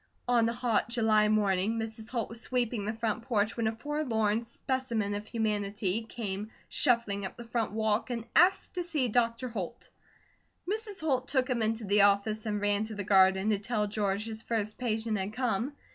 On a hot July morning Mrs. Holt was sweeping the front porch when a forlorn specimen of humanity came shuffling up the front walk and asked to see Dr. Holt. Mrs. Holt took him into the office and ran to the garden to tell George his first patient had come.